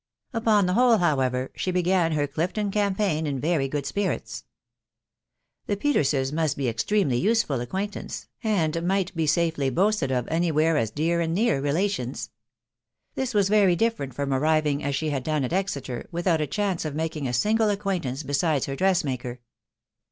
Upon the whole, however, she began her Clifton esmpeJgi in very good spiritsi The Petersea must be extremely usaJtil acquaintance, and might be safely boasted of any where an Jeer. and near relations. Thii was very different from arriving,, as she had done, at Exeter, without a. chance of making a> single acquaintance besides her. dressmaker.